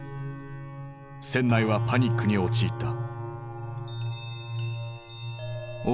船内はパニックに陥った。